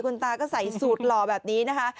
คุณตาก็ใส่สูตรหล่อแบบนี้นะคะ